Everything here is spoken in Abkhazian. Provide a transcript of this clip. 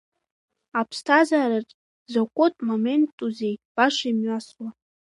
Аԥсҭазаараҿ закәытә моментузеи баша имҩасуа!